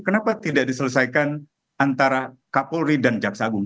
kenapa tidak diselesaikan antara kapolri dan jaksa agung